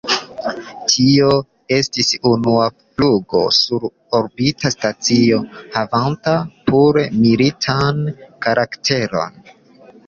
Tio estis unua flugo sur orbita stacio, havanta pure militan karakteron.